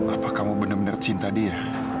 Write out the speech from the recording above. apa kamu benar benar cinta dia